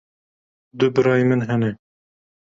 Du birayên min hene.